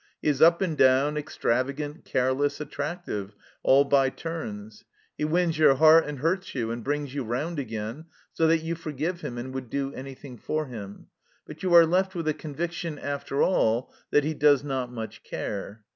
He is up and down, extravagant, careless, attractive all by turns. He wins your heart and hurts you, and brings you round again, so that you forgive him and would do anything for him ; but you are left with a conviction, after all, that he does not much care.